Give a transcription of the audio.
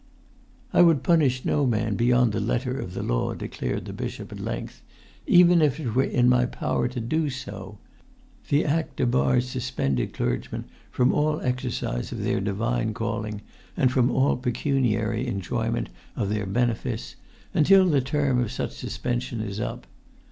"I would punish no man beyond the letter of the law," declared the bishop at length, "even if it were in my power to do so. The Act debars suspended clergymen from all exercise of their divine calling and from all pecuniary enjoyment of their benefice until[Pg 74] the term of such suspension is up.